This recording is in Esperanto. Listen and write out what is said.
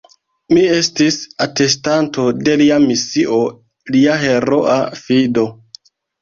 Mi estis atestanto de Lia misio, Lia heroa fido.